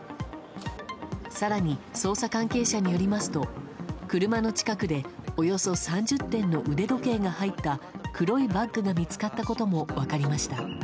更に、捜査関係者によりますと車の近くでおよそ３０点の腕時計が入った黒いバッグが見つかったことも分かりました。